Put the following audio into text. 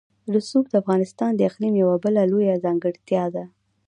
رسوب د افغانستان د اقلیم یوه بله لویه ځانګړتیا ده.